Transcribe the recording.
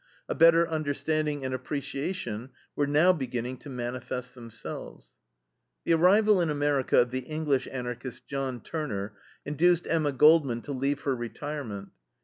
A better understanding and appreciation were now beginning to manifest themselves. The arrival in America of the English Anarchist, John Turner, induced Emma Goldman to leave her retirement.